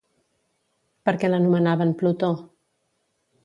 Per què l'anomenaven Plutó?